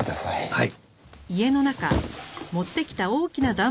はい。